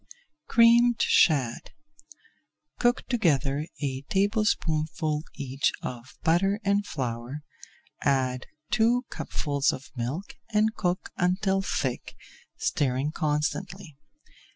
CREAMED SHAD Cook together a tablespoonful each of butter [Page 337] and flour, add two cupfuls of milk and cook until thick, stirring constantly.